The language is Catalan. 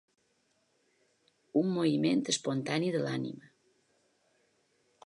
Un moviment espontani de l'ànima.